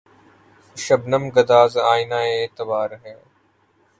شبنم‘ گداز آئنۂ اعتبار ہے